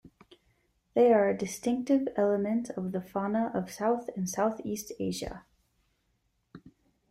They are a distinctive element of the fauna of south and southeast Asia.